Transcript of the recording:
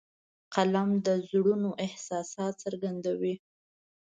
قلم د زړونو احساسات څرګندوي